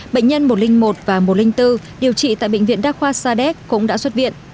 bệnh nhân một trăm linh một và một trăm linh bốn điều trị tại bệnh viện đa khoa sadek cũng đã xuất viện